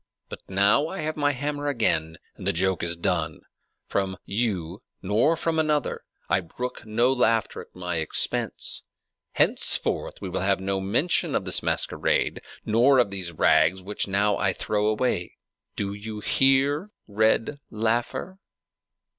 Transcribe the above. But now I have my hammer again, and the joke is done. From you, nor from another, I brook no laughter at my expense. Henceforth we will have no mention of this masquerade, nor of these rags which now I throw away. Do you hear, red laugher?"